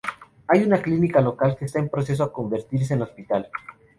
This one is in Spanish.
Hay una clínica local que esta en proceso a convertirse en hospital.